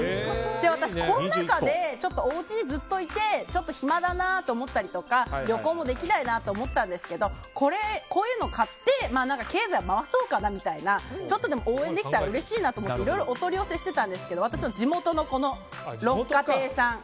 私コロナ禍でおうちにずっといて暇だなと思ったり旅行もできないなと思ったんですがこういうのを買って経済を回そうかなみたいなちょっとでも応援できたらうれしいなと思っていろいろお取り寄せしていたんですけど私の地元の六花亭さん。